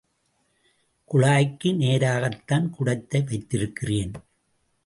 குழாய்க்கு நேராகத்தான் குடத்தை வைத்திருக்கிறேன்.